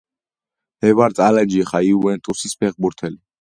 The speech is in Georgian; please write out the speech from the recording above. მე ვარ წალენჯიხა იუენტუსის ფეხბურთელი